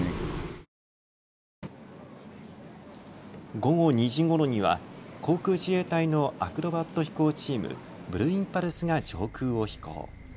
午後２時ごろには航空自衛隊のアクロバット飛行チーム、ブルーインパルスが上空を飛行。